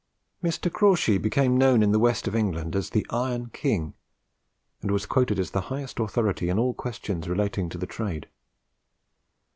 Mr. Crawshay became known in the west of England as the "Iron King," and was quoted as the highest authority in all questions relating to the trade.